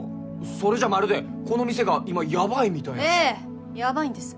それじゃまるでこの店が今ヤバいみたいなええヤバいんです